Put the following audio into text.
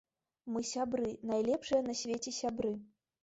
Мы сябры, найлепшыя на свеце сябры.